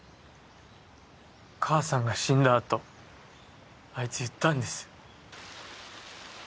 母さんが死んだ後あいつ言ったんです。